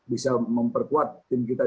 bisa memperkuat tim kita